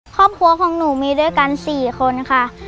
ครอบครัวของหนูมีด้วยกัน๔คนค่ะ